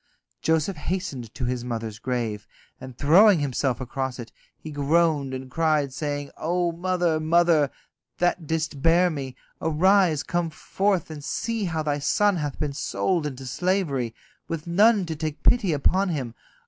Joseph hastened to his mother's grave, and throwing himself across it, he groaned and cried, saying: "O mother, mother, that didst bear me, arise, come forth and see how thy son hath been sold into slavery, with none to take pity upon him.